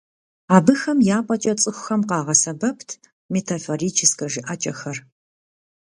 Абыхэм я пӏэкӏэ цӏыхухэм къагъэсэбэпт метафорическэ жыӏэкӏэхэр.